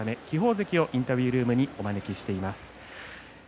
関をインタビュールームにお招きしています。